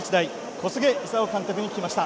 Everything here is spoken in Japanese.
小菅勲監督に聞きました。